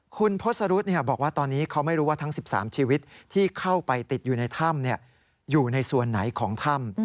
คุณพศรุษบอกว่าตอนนี้เขาไม่รู้ว่าทั้ง๑๓ชีวิตที่เข้าไปติดอยู่ในถ้ำอยู่ในส่วนไหนของถ้ำ